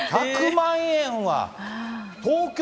１００万円は！